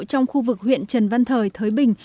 trong khu vực huyện trần văn thời thới bình